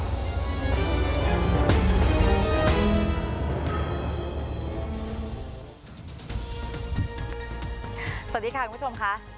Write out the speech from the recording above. เฮ้นสวัสดีค่ะคุณผู้ชมคะ